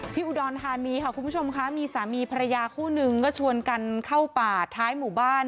อุดรธานีค่ะคุณผู้ชมค่ะมีสามีภรรยาคู่หนึ่งก็ชวนกันเข้าป่าท้ายหมู่บ้าน